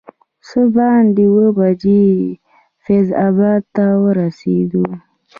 څه باندې اووه بجې فیض اباد ته ورسېدو.